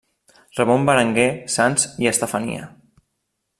Ramon Berenguer, Sanç i Estefania.